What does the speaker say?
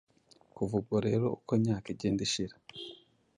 Kuva ubwo rero uko imyaka igenda ishira,